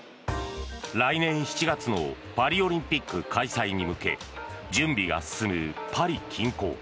来年７月のパリオリンピック開催に向け準備が進むパリ近郊。